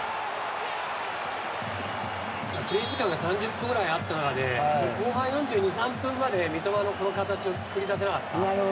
プレー時間が３０分ぐらいあったので後半の４３分ぐらいまで三笘のこの形を作り出せなかった。